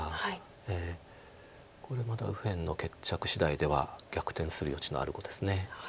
これまた右辺の決着しだいでは逆転する余地のある碁です。